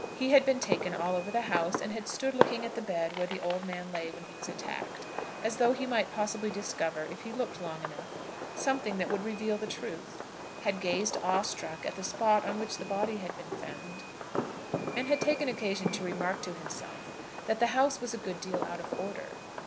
He had been taken all over the house; had stood looking at the bed where the old man lay when he was attacked, as though he might possibly discover, if he looked long enough, something that would reveal the truth; had gazed awe struck at the spot on which the body had been found, and had taken occasion to remark to himself that the house was a good deal out of order.